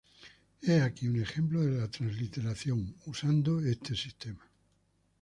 He aquí un ejemplo de la transliteración usando este sistema.